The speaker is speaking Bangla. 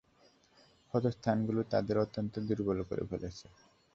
ক্ষতস্থানগুলো তাদের অত্যন্ত দুর্বল করে ফেলেছে।